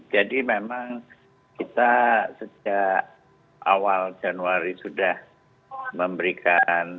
jadi memang kita sejak awal januari sudah memberikan